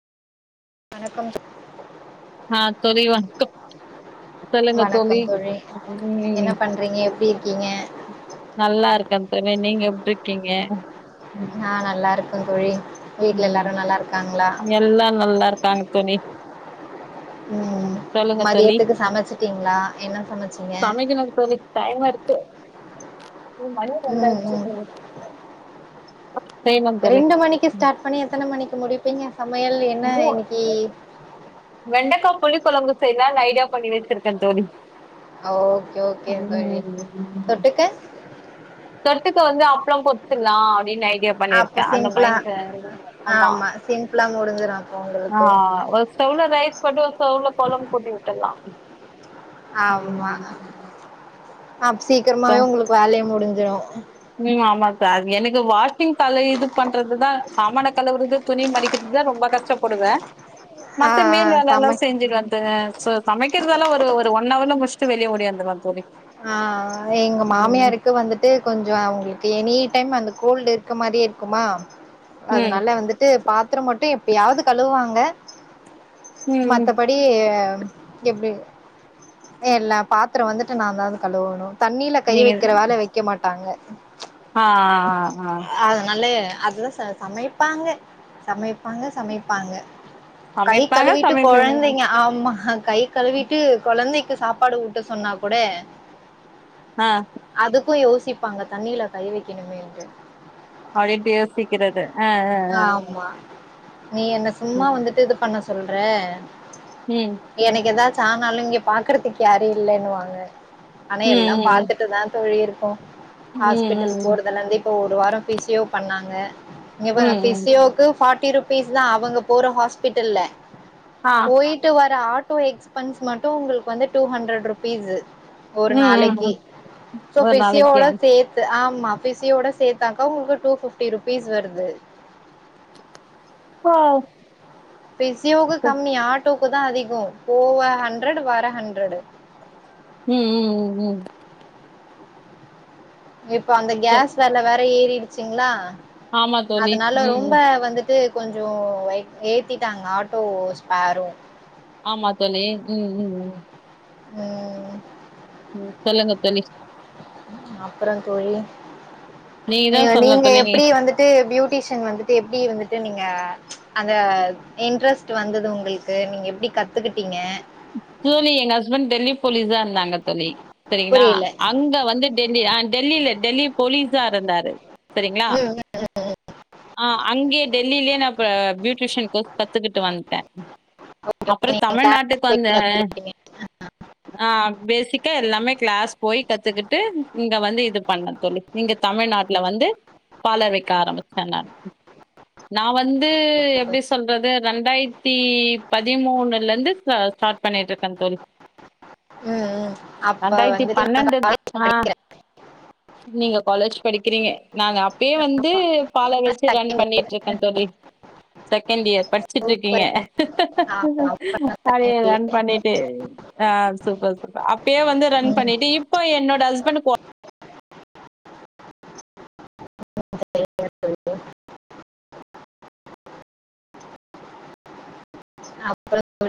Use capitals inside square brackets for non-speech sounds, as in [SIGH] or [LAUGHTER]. வணக்கம் ஆ தோழி வண்க்கம் சொல்லுங்க தோழி நீங்க எப்டி இர்க்கீங்க நல்லார்க்கே தோழி நீங்க எப்டி இருக்கிங்க ஆ நல்லா இருக்கந் தோழி வீட்ல ம் எல்லாரு நல்லா இருக்காங்களா அங்க எல்லா நல்லாருக்காங்க தோழி ம் சொல்லுங்க தோழி மதியத்துக்கு சமச்சிட்டீங்களா என்ன சமச்சீங்க சமைக்கணு தோழி டைம் இருக்கு ம் மணி ம் ரெண்டாயிடுச்சு ம் தோழி செய்யணு தோழி ரெண்டு மணிக்கு ஸ்டார்ட் பண்ணி எத்தன மணிக்கு முடிப்பீங்க சமையல் என்ன இன்னிக்கு வெண்டக்கா புளி கொழம்பு செய்யலான்னு ஐடியா பண்ணி வச்சிருக்கே தோழி ஆ ஓகே ஓகே ம் தோழி தொட்டுக்க தொட்டுக்க வந்து அப்ளோ பொற்சிர்லா அப்டினு ஐடியா பண்ணிருக்கே அப்ப அந்த மைண்டு ஆமா சிம்புலா முடிஞ்சிரு ஆ உங்களுக்கு ஒரு ஸ்டவ்ள ரைஸ் போட்டு ஒரு ஸ்டவ்ள கொழம்பு கூட்டி வுட்டுலா ஆமா அ சீக்கிரமாவே உங்களுக்கு வேலையு முடிஞ்சிடு ம் ஆமா சார் எனக்கு வாஷிங் டலை இது பண்றது தா சாமான கலுவுரது துணி மடிக்கிற்து தா ரொம்ப கஷ்டப்புடுவே ஆ மத்த ஆ மேல்வேலல்லா சமை செஞ்சிடு வந்த சோ சமைக்கிறதல்லா ஒரு ஒரு ஒன் ஹவர்ல முடிச்சுட்டு வெளிய ஒடியாந்துருவே தோழி ஆ எங்க ம் மாமியாருக்கு வந்துட் டு கொஞ்சோ அவுங்களுக்கு எனி டைம் அந்த கோல்ட் இருக்க மாறியே இருக்குமா ம் அதுனால வந்து ட்டு பாத்திரம் மட்டு எப்பயாது கழுவாங்க ம் மத்தபடி அப்டியே எப்டி எல்லா பாத்ரம் வந்துட்டு நா தா கழுவணு தண்ணில கை நீங்க வைக்கிற வேல வெக்க மாட்டாங்க ஆ ஆ ஹா அதுனாலே அதுதா ச சமைப்பாங்க சமைப்பாங்க சமைப்பாங்க கை சமைப்பாங்க கழுவிட்டு சமைப்பீங்க கொழந்தைங்க ஆமா கை கழுவிட்டு கொழந்தைக்கு சாப்பாடு ஊட்ட சொன்னா கூட அ அதுக்கும் யோசிப்பாங்க தண்ணில கை வெக்கணுமேன்ட்டு அப்டின்ட்டு யோசிக்கிறது அ அ அ அ அ ஆமா நீ என்ன சும்மா வந்துட்டு இது பண்ண சொல்ற ம் எனக்கு ஏதாச்சு ஆனாலு இங்க பாக்கறதுக்கு யாரும் இல்லன்னுவாங்க ஆனா எல்லா ம் பாத்துட்டுதா தோழி இருக்கோ ம் ம் ஹாஸ்பிட்டல் ம் போறதுலருந்து இப்ப ஒரு வாரோ பிசியோ பண்ணாங்க இங்க ம் பாருங்க ம் ம் பிசியோக்கு ஃபாட்டி ரூப் ஃபீஸ் தா அவங்க போற ஹாஸ்பிட்டல்ல ஆ போயி ட்டு வர ஆட்டோ எக்ஸ்பென்ஸ் மட்டு உங்களுக்கு வந்து டூ ஹண்ட்ரட் ரூபீசு ஒரு ம் ம் நாளக்கி ம் சோ ஒரு பிசியோட நாளைக்கு சேத் து ஆமா பிசியோட சேத்தாக்கா உங்களுக்கு டூ ஃபிப்டி ருப்பீஸ் வருது வ்வாவ் பிசியோவுக்கு கம்மி ஆட்டோவுக்கு தா அதிகோ போவ ஹண்ட்ரட் வர ஹண்ட்ரட் ம் ம் ம் ம் இப்ப அந்த கேஸ் வெல வேற ஏறிடுச்சுங்ளா ஆமா தோழி அதனால ம் ரொம்ப ம் வந்துட்டு கொஞ்சோ வை ஏத்திட்டாங்க ஆட்டோ ஸ்ப்பேரு ஆமா தோழி ம் ம் ம் ம், ம் சொல்லுங்க தோழி அப்றோ தோழி நீங்க தா ம் சொல்லணு நீங்க தோழி நீ எப்டி வந்துட்டு பியூட்டிஷியன் வந்து த்து எப்டி வந்துட்டு நீங்க அந்த இன்ட்ரெஸ்ட் வந்தது உங்களுக்கு நீங்க எப்டி கத்துக்கிட்டீங்க தோழி எங்க ஹஸ்பண்ட் டெல்லி போலீஸ் ஆ இருந்தாங்க தோழி செரிங்ளா புரியல அங்க வந்து டெல்லி ஆ டெல்லில டெல்லி போலீசா இருந்தாரு செரிங்ளா ம் ஆ அங்கியே டெல்லிலயே நா ப பியூட்ரிஷன் கோஸ் கத்துகுட்டு வன்ட்ட அப்றோ கிளாஸ் தமிழ்நாட்டுக்கு வந்த போய் [INAUDIBLE] ஆ பேசிக்கா எல்லாமே கிளாஸ் போய் கத்துக்குட்டு இங்க வந்து இது பண்ண தோழி இங்க தமிழ்நாட்ல வந்து பாலர் வெக்க ஆரம்பிச்ச நான் நா வந்து எப்டி சொல்றது ரெண்டாயிரத்தி பதிமூனுலந்து ச ஸ்டாட் பண்ணிட்ருக்கே தோழி ம் ம். அப்ப ரெண்டாயிரத்தி வந்துட்டு நான் பன்னெண்டு காலேஜ் ஆ படிக்கிறேன் நீங்க காலேஜ் படிக்கிறீங்க நாங்க அப்பயே வந்து பாலர் வச்சு ரன் செகண்ட் பண்ணிட்டு இருக்கே தோழி செகண்ட் இயர் படிச் ச்சிட்டு இயர் இருக்கீங்க ஆமா, அப்ப நான் ப ட்டு ரன் தயங்கல. பண்ணிட்டு ஆ சூப்பர் சூப்பர் அப்பயே வந்து ரன் ம். பண்ணிட்டு இப்ப என்னோட ஹஸ்பண்ட்க்கு ஓர்க் [INAUDIBLE] அப் [INAUDIBLE]